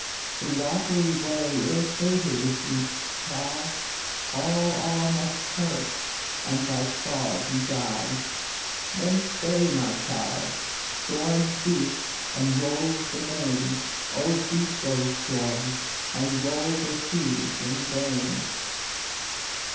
The watery way ill fated if thou try, All, all must perish, and by fraud you die! Then stay, my, child! storms beat, and rolls the main, Oh, beat those storms, and roll the seas in vain!"